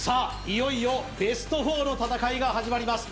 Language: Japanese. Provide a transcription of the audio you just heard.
いよいよベスト４の戦いが始まります